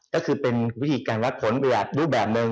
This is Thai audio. ก็คือเป็นวิธีการวัดผลหรือแบบนึง